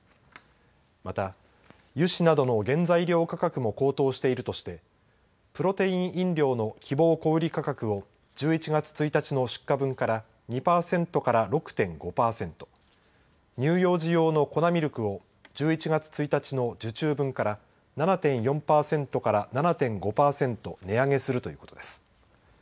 また油脂などの原材料価格も高騰しているとしてプロテイン飲料の希望小売価格を１１月１日の出荷分から２％から６．５％、乳幼児用の粉ミルクを１１月１日の受注分から７．４％から７．５％値上げするということです。